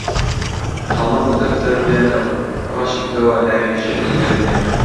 قەڵەم و دەفتەر بێنە و ڕەشی کەوە ناوی شیعری لێ بنێ